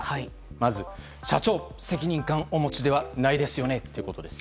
まず社長、責任感をお持ちではないですよね？ということです。